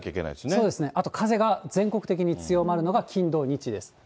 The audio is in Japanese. そうですね、あと風が全国的に強まるのが金、土、日です。